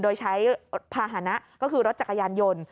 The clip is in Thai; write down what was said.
โดยใช้ภาษณะก็คือรถจักรยานยนต์